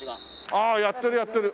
ああやってるやってる。